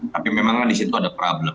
tapi memang di situ ada problem